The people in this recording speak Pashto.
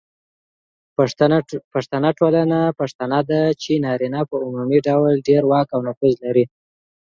پښتنه ټولنه پښتنه ده، چې نارینه په عمومي ډول ډیر واک او نفوذ لري.